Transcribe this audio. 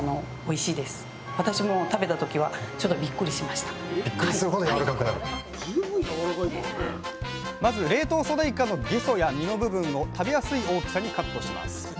まず冷凍ソデイカのゲソや身の部分を食べやすい大きさにカットします